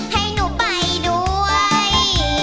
ให้หนูไปด้วย